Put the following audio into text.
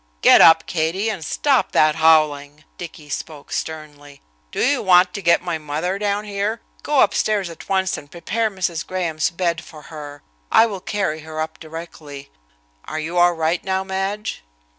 "Get up, Katie, and stop that howling!" Dicky spoke sternly. "Do you want to get my mother down here? Go upstairs at once and prepare Mrs. Graham's bed for her. I will carry her up directly. Are you all right now, Madge?"